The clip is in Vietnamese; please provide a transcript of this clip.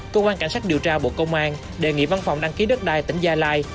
cơ quan cảnh sát điều tra bộ công an đề nghị văn phòng đăng ký đất đai tỉnh gia lai